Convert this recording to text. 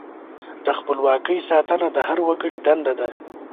د خپلواکۍ ساتنه د هر وګړي دنده ده.